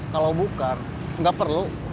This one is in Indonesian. kalau bukan gak perlu